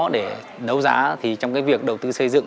để đấu giá thì trong cái việc đầu tư xây dựng